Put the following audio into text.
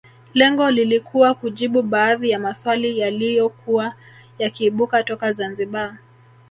Lengo lilikuwa kujibu baadhi ya maswali yaliyokuwa yakiibuka toka Zanzibar